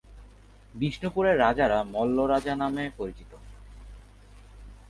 বিষ্ণুপুরের রাজারা মল্ল রাজা নামে পরিচিত।